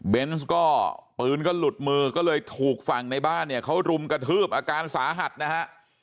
ก็ปืนก็หลุดมือก็เลยถูกฝั่งในบ้านเนี่ยเขารุมกระทืบอาการสาหัสนะฮะ